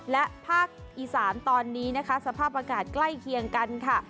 และภาคอีสานตอนนี้นะคะสภาพอากาศใกล้เคียงกันค่ะ